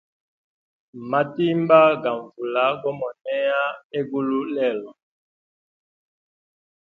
Matimba ga nvula go monea hegulu lelo.